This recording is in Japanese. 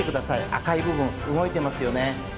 赤い部分動いてますよね。